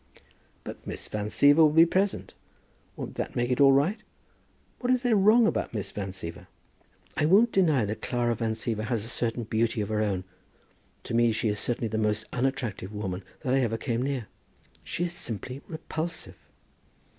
"But Miss Van Siever will be present. Won't that make it all right? What is there wrong about Miss Van Siever?" "I won't deny that Clara Van Siever has a certain beauty of her own. To me she is certainly the most unattractive woman that I ever came near. She is simply repulsive!"